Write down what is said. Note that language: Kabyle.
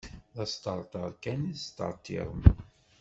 D asṭerṭer kan i tesṭerṭirem.